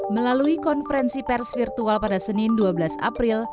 melalui konferensi pers virtual pada senin dua belas april